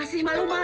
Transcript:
leha cepetan leha